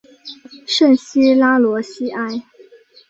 圣西拉罗西埃。